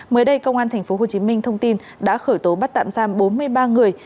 mới đây công an tp hcm thông tin đã khởi tố bắt tạm giam bốn mươi ba người